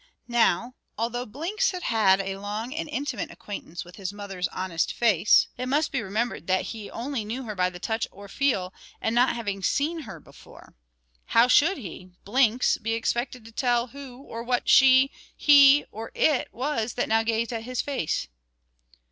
Now, although Blinks had had a long and intimate acquaintance, with his mother's honest face, it must be remembered that he only knew her by the touch or feel; and not having seen her before, how should he, Blinks, be expected to tell who or what she, he, or it was that now gazed on his face?